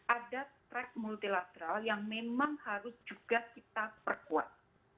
ada track multilateral yang memang harus juga kita perkuat